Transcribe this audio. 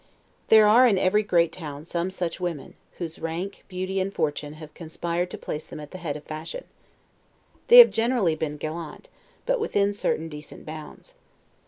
There are in every great town some such women, whose rank, beauty, and fortune have conspired to place them at the head of the fashion. They have generally been gallant, but within certain decent bounds.